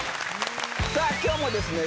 さあ今日もですね